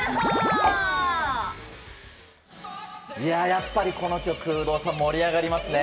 やっぱりこの曲有働さん、盛り上がりますね。